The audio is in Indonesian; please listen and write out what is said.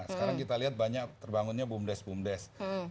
sekarang kita lihat banyak terbangunnya bumdes bumdes